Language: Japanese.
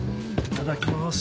いただきます。